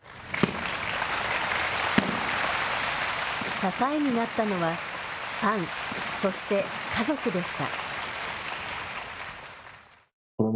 支えになったのはファン、そして家族でした。